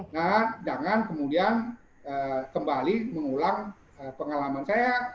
nah jangan kemudian kembali mengulang pengalaman saya